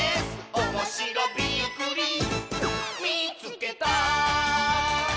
「おもしろびっくりみいつけた！」